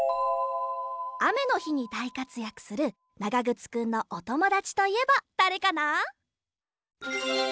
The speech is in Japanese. あめのひにだいかつやくするながぐつくんのおともだちといえばだれかな？